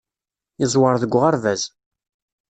Yeẓwer deg uɣerbaz.